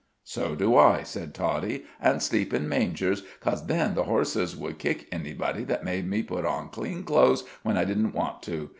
"So do I," said Toddie, "an' sleep in mangers, 'cauzh then the horses would kick anybody that made me put on clean clothezh when I didn't want to.